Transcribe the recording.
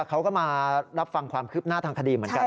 เขาก็มารับฟังความคืบหน้าทางคดีเหมือนกัน